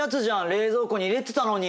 冷蔵庫に入れてたのに！